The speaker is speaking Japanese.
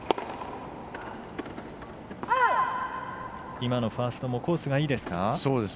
今のファーストもコースがいいですか？